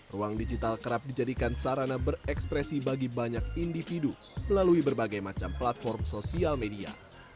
ruang digital kerap dijadikan sarana berekspresi bagi banyak individu melalui berbagai macam platform sosial media